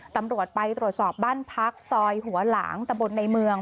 ตำรวจไปตรวจสอบบ้านพักซอยหัวหลางตะบนในเมือง